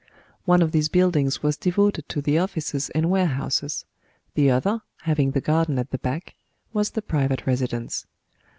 One of these buildings was devoted to the offices and warehouses. The other (having the garden at the back) was the private residence.